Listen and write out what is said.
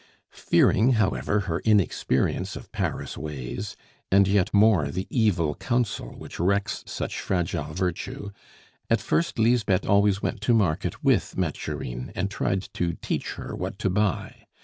Fearing, however, her inexperience of Paris ways, and yet more the evil counsel which wrecks such fragile virtue, at first Lisbeth always went to market with Mathurine, and tried to teach her what to buy.